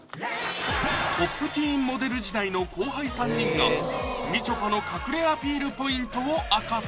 「Ｐｏｐｔｅｅｎ」モデル時代の後輩３人がみちょぱの隠れアピールポイントを明かす！